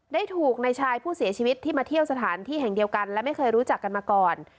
ได้ถูกในชายผู้เสียชีวิตที่มาเที่ยวสถานที่แห่งเดียวกันและไม่เคยรู้จักกันมาก่อน